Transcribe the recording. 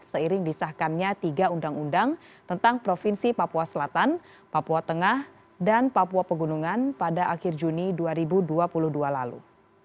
seiring disahkannya tiga undang undang tentang provinsi papua selatan papua tengah dan papua pegunungan pada akhir juni dua ribu dua puluh dua lalu